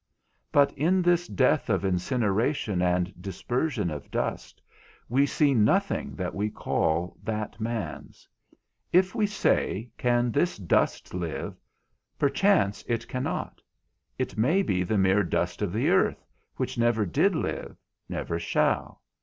But in this death of incineration and dispersion of dust, we see nothing that we call that man's. If we say, Can this dust live? Perchance it cannot; it may be the mere dust of the earth, which never did live, never shall.